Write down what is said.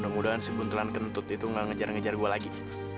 mudah mudahan si buntulan kentut itu gak ngejar ngejar gue lagi